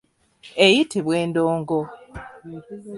Eyitibwa endongo.